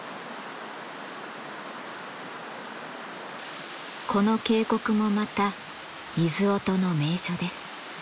この渓谷もまた水音の名所です。